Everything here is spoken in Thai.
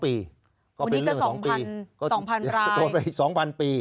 ๒ปีก็เป็นเรื่อง๒๐๐๐ราย